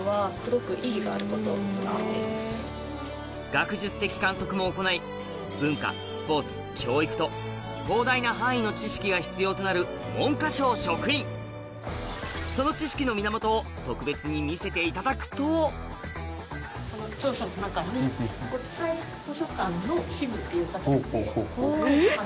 学術的観測も行い文化スポーツ教育と膨大な範囲の知識が必要となる文科省職員その知識の源を特別に見せていただくとっていう形で。